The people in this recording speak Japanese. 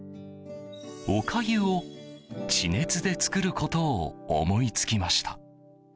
おかゆを地熱で作ることを思いつきました。